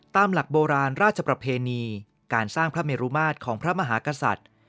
ตามหลักโบราณราชประเพณีการสร้างพระเมรุมาตรของพระมหากษัตริย์